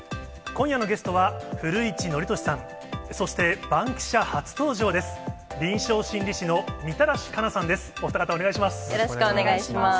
今夜のゲストは、古市憲寿さん、そして、バンキシャ初登場です。